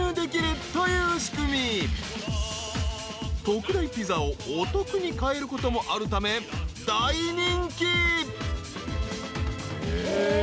［特大ピザをお得に買えることもあるため大人気］